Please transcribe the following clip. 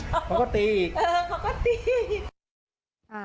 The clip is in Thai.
เขาก็ตีอีก